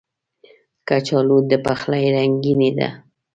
کچالو د پخلي رنګیني ده